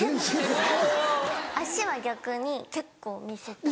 脚は逆に結構見せたい。